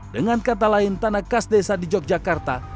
dengan kata lain tanah kas desa di yogyakarta